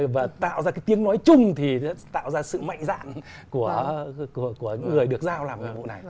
và tạo ra cái tiếng nói chung thì tạo ra sự mạnh dạng của người được giao làm cái vụ này